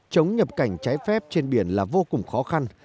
chống nhập cảnh trái phép trên biển là vô cùng khó khăn